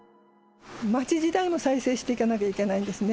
街自体も再生していかなきゃいけないんですね。